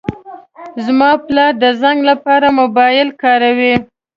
زما پلار د زنګ لپاره موبایل کاروي.